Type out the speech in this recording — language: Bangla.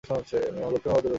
অলুক্ষুণে বাদুড়ের কথা!